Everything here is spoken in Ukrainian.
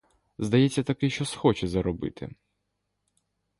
Знайдеться такий, що схоче заробити.